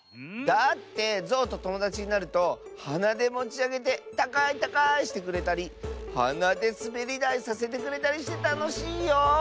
だってゾウとともだちになるとはなでもちあげてたかいたかいしてくれたりはなですべりだいさせてくれたりしてたのしいよ。